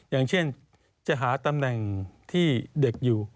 อย่างเช่นจะหาตำแหน่งที่เด็กอยู่